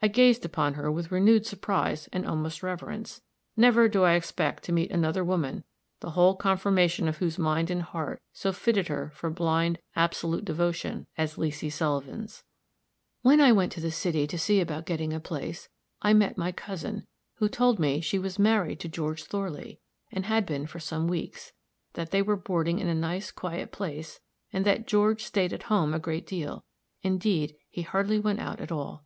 I gazed upon her with renewed surprise and almost reverence. Never do I expect to meet another woman, the whole conformation of whose mind and heart so fitted her for blind, absolute devotion as Leesy Sullivan's. "When I went to the city to see about getting a place, I met my cousin, who told me that she was married to George Thorley, and had been for some weeks; that they were boarding in a nice, quiet place, and that George staid at home a great deal indeed, he hardly went out at all.